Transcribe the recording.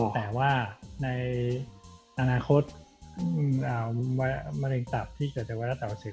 แต่ว่าในอนาคตแมรนด์ตัดจากไวรัสตับอักเสบ